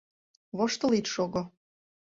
— Воштыл ит шого.